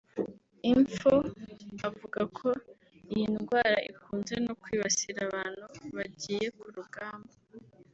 Info avuga ko iyi ndwara ikunze no kwibasira abantu bagiye ku rugamba